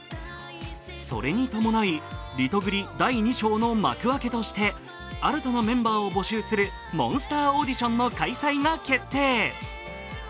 それに伴い、リトグリ第２章の幕開けとして新たなメンバーを募集するモンスターオーディションの開催が決定。